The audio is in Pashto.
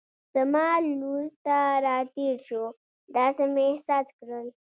زما لور ته را تېر شو، داسې مې احساس کړل.